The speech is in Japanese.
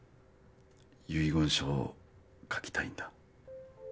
遺言書を書きたいんだ。